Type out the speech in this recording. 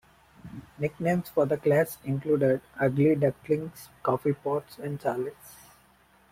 Nicknames for the class included "Ugly Ducklings", "Coffee Pots" and "Charlies".